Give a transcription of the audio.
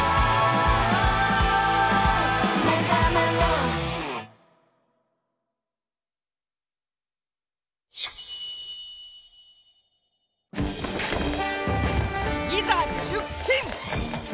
いざ出勤！